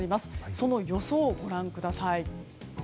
その予想をご覧ください。